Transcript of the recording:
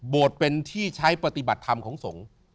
โบดเป็นที่ใช้ปฏิบัติธรรมของทรง